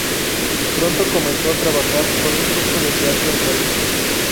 Pronto comenzó a trabajar con un grupo de teatro en París.